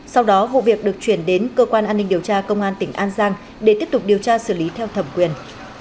sau đó vụ việc được chuyển đến cơ quan an ninh điều tra công an tỉnh an giang để tiếp tục điều tra xử lý theo thẩm quyền